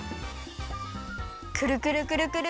くるくるくるくる！